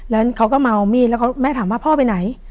แล้วเขาก็เมามีดแล้วแม่ถามว่าพ่อไปไหน